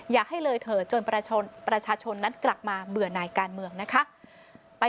อย่าให้เลยเถิดจนประชาชนนั้นกลับมาเบื่อหน่ายการเมืองนะคะ